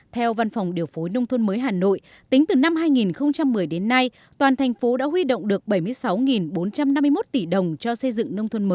theo văn phòng điều phối nông thôn mới hà nội tính từ năm hai nghìn một mươi đến nay toàn thành phố đã huy động được bảy mươi sáu bốn trăm linh nông thôn